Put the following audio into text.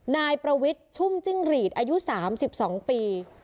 นายประวิทชุ่มจิ้งหลีดอายุสามสิบสองปี